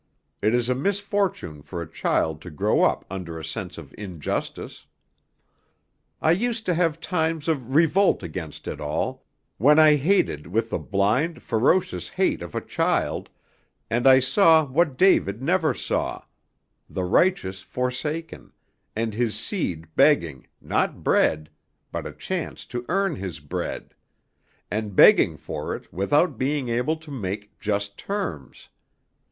It is a misfortune for a child to grow up under a sense of injustice. I used to have times of revolt against it all, when I hated with the blind, ferocious hate of a child, and I saw what David never saw, the righteous forsaken, and his seed begging, not bread, but a chance to earn his bread, and begging for it without being able to make just terms.